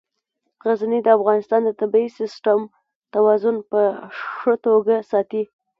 غزني د افغانستان د طبعي سیسټم توازن په ښه توګه ساتي.